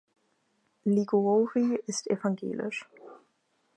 Liguori ist evangelisch.